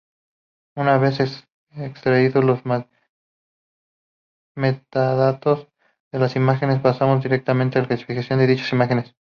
Una vez extraídos los metadatos de las imágenes, pasamos directamente a clasificar dichas imágenes.